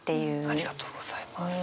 ありがとうございます。